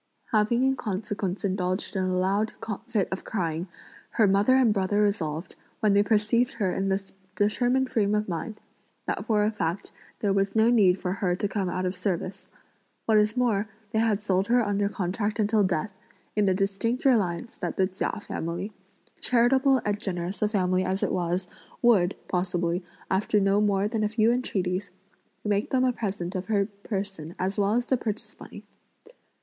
Having in consequence indulged in a loud fit of crying, her mother and brother resolved, when they perceived her in this determined frame of mind, that for a fact there was no need for her to come out of service. What is more they had sold her under contract until death, in the distinct reliance that the Chia family, charitable and generous a family as it was, would, possibly, after no more than a few entreaties, make them a present of her person as well as the purchase money.